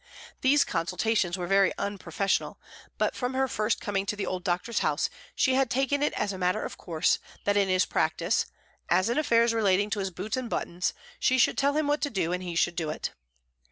These consultations were very unprofessional, but from her first coming to the old doctor's house she had taken it as a matter of course that in his practice, as in affairs relating to his boots and buttons, she should tell him what to do and he should do it.